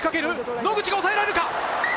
野口がおさえられるか？